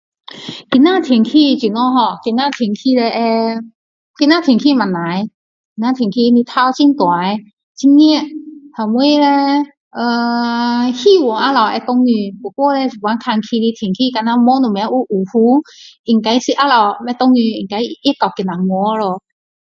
今天天气怎样 ho 今天天气叻会今天天气不错今天天气太阳很大很热然后呢呃…希望下午会下雨不过叻现在看起的天气好像没什么有乌云应该是下午不会下雨因该热到今晚了